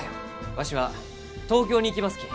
わしは東京に行きますき。